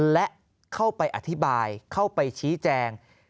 และเข้าไปอธิบายเข้าไปชี้แจง